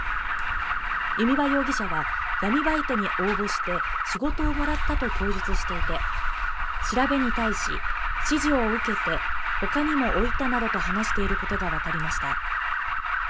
弓場容疑者は闇バイトに応募して仕事をもらったと供述していて、調べに対し指示を受けて、他にも置いたなどと話していることがわかりました。